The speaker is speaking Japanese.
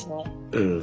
うん。